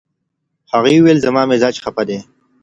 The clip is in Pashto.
هغې وویل، "زما مزاج خپه دی."